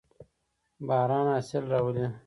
باران حاصل راولي.